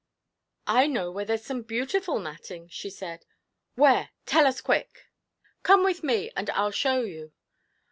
'I know where there's some beautiful matting,' she said. 'Where? Tell us, quick!' 'Come with me, and I'll show you.'